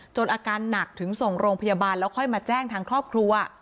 อาการหนักถึงส่งโรงพยาบาลแล้วค่อยมาแจ้งทางครอบครัว